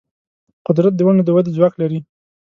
قدرت د ونو د ودې ځواک لري.